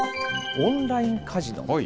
オンラインカジノ。